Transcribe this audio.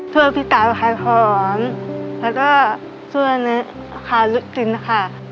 ส่วนพี่สาวขายหอมแล้วก็ส่วนขาวลูกจิ้นค่ะ